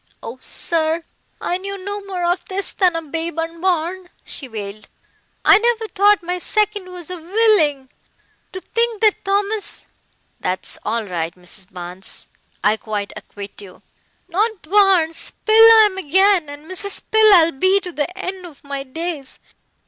"Oh, sir, I knew no more of this than a babe unborn," she wailed, "I never thought my second was a villing. To think that Thomas " "That's all right, Mrs. Barnes, I quite acquit you." "Not Barnes. Pill I am again, and Mrs. Pill I'll be to the end of my days.